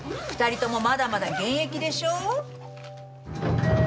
２人ともまだまだ現役でしょ。